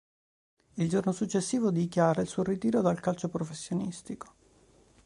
Il giorno successivo dichiara il suo ritiro dal calcio professionistico.